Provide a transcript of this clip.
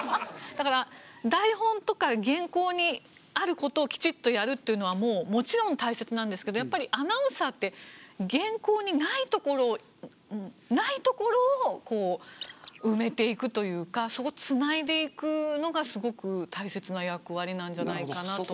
だから台本とか原稿にあることをきちっとやるっていうのはもちろん大切なんですけどやっぱりアナウンサーって原稿にないところをないところを埋めていくというかそこをつないでいくのがすごく大切な役割なんじゃないかなと思います。